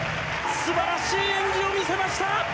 素晴らしい演技を見せました！